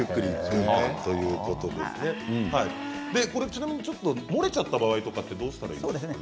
ちなみにちょっと漏れちゃった場合はどうしたらいいですか？